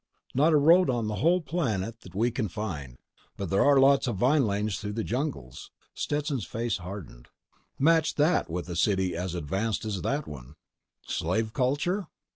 Not a road on the whole planet that we can find. But there are lots of vine lanes through the jungles." Stetson's face hardened. "Match that with a city as advanced as that one." "Slave culture?"